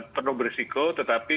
penuh berisiko tetapi